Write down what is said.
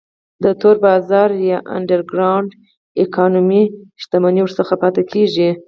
د تور بازار Underground Economy شتمنۍ ورڅخه پاتې کیږي.